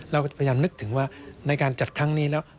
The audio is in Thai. เราพยายามนึกถึงว่าในการจัดครั้งนี้แล้ว